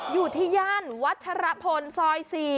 อยู่ที่ย่านวัชรพลซอย๔